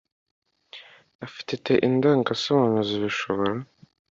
afitete indanga nsobanuzi bishobora